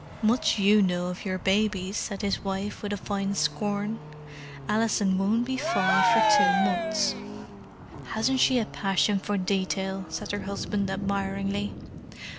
"Much you know of your babies!" said his wife, with a fine scorn. "Alison won't be five for two months." "Hasn't she a passion for detail!" said her husband admiringly.